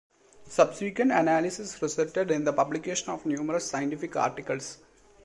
Subsequent analysis resulted in the publication of numerous scientific articles.